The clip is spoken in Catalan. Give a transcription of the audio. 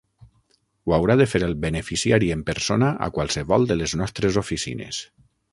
Ho haurà de fer el beneficiari en persona a qualsevol de les nostres oficines.